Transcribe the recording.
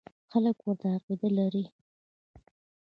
خلک ورته عقیده لري.